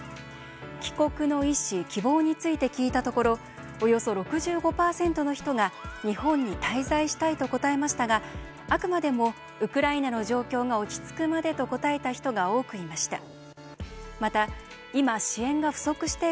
帰国の意思・希望について聞いたところおよそ６５％の人が「日本に滞在したい」と答えましたがあくまでも「ウクライナの状況が落ち着くまで」と答えた人が多くいました。